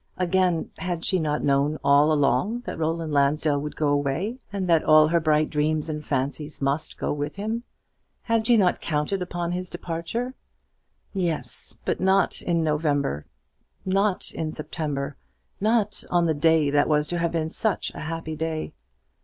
Again, had she not known all along that Roland Lansdell would go away, and that all her bright dreams and fancies must go with him? Had she not counted upon his departure? Yes; but in November, not in September; not on the day that was to have been such a happy day.